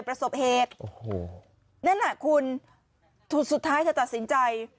ประสบเหตุโอ้โหนั่นน่ะคุณสุดท้ายเธอตัดสินใจ